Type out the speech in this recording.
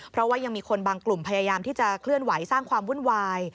เพราะว่ายังมีคนบางกลุ่มพยายามที่จะเคลื่อนไหวสร้างความวุ่นวาย